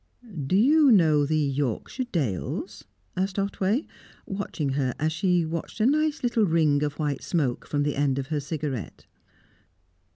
"Do you know the Yorkshire dales?" asked Otway, watching her as she watched a nice little ring of white smoke from the end of her cigarette.